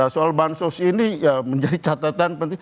soal bansos ini menjadi catatan